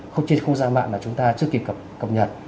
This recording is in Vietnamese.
không trên không gian mạng là chúng ta chưa kịp cập nhật